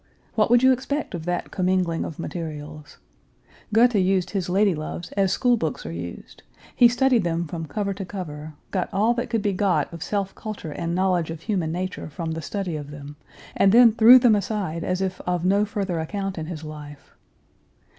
What would you expect of that commingling of materials? Goethe used his lady loves as school books are used: he studied them from cover to cover, got all that could be got of self culture and knowledge of human nature from the study of them, and then threw them aside as if of no further account in his life.